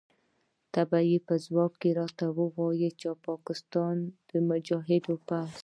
تا په ځواب کې راته وویل چې د پاکستان مجاهد پوځ.